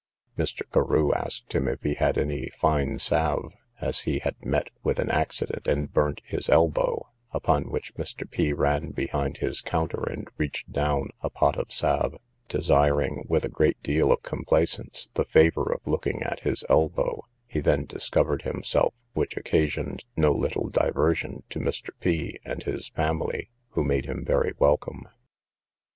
Mr. Carew asked him if he had any fine salve, as he had met with an accident, and burnt his elbow; upon which Mr. P ran behind his counter, and reached down a pot of salve, desiring, with a great deal of complaisance, the favour of looking at his elbow; he then discovered himself, which occasioned no little diversion to Mr. P and his family, who made him very welcome.